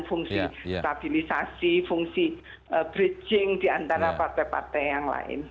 fungsi stabilisasi fungsi bridging diantara partai partai yang lain